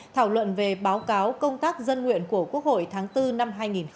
thảo luận về báo cáo công tác dân nguyện của quốc hội tháng bốn năm hai nghìn hai mươi